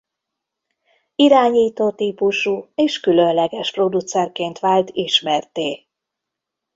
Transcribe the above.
Irányító típusú és különleges producerként vált ismertté.